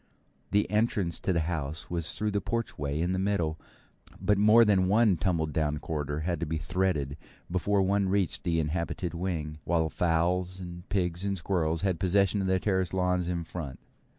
The entrance to the house was through the porchway in the middle, but more than one tumble down corridor had to be threaded before one reached the inhabited wing; while fowls and pigs and squirrels had possession of the terrace lawns in front.